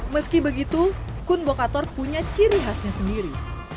meski begitu kun bokator punya ciri khasnya sendiri